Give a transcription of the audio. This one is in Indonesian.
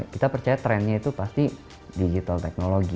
kita percaya trendnya itu pasti digital technology